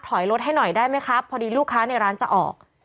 ถอยรถให้หน่อยได้ไหมครับพอดีลูกค้าในร้านจะออก